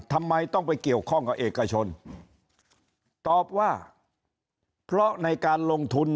ทำไมต้องไปเกี่ยวข้องกับเอกชนตอบว่าเพราะในการลงทุน